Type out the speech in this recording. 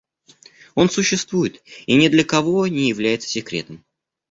Он существует и ни для кого не является секретом.